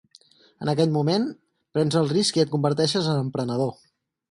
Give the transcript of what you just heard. En aquell moment prens el risc i et converteixes en emprenedor.